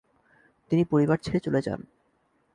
তিনি পরিবার ছেড়ে চলে যান।